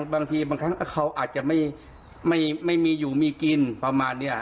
บางทีเขาอาจจะไม่มีอยู่ไม่มีกินประมาณนี้